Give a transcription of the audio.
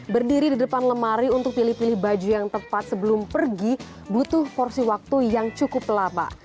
berdiri di depan lemari untuk pilih pilih baju yang tepat sebelum pergi butuh porsi waktu yang cukup lama